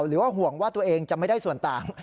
หรือว่าห่วงว่าตัวเองจะไม่ได้ส่วนต่าง